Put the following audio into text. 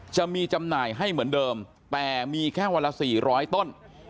จำหน่ายให้เหมือนเดิมแต่มีแค่วันละ๔๐๐ต้น